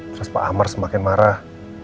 terus pak amar semakin marah